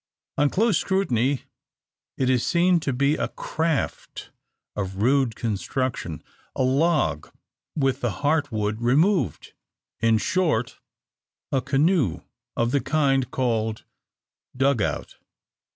On close scrutiny it is seen to be a craft of rude construction a log with the heart wood removed in short, a canoe of the kind called "dug out."